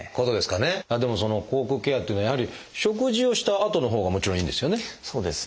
でもその口腔ケアっていうのはやはり食事をしたあとのほうがもちろんいいんですよね。